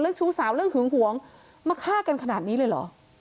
เรื่องชู้สาวเรื่องหวงมาฆ่ากันขนาดนี้เลยเหรอ